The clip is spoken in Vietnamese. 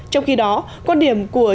trong khi đó quan điểm của